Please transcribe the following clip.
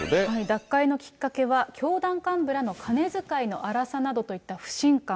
脱会のきっかけは教団幹部らの金遣いの荒さなどといった不信感。